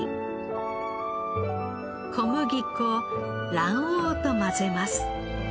小麦粉卵黄と混ぜます。